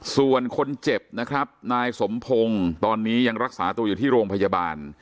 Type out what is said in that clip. ส่วนคนเจ็บนะครับนายสมพงศ์ตอนนี้ยังรักษาตัวอยู่ที่โรงพยาบาล